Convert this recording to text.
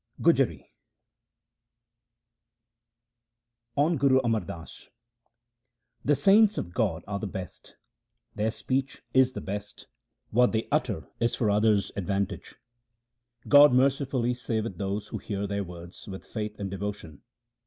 Gujari On Guru Amar Das :— The saints of God are the best ; their speech is the best ; what they utter is for others' advantage. God mercifully saveth those who hear their words with faith and devotion.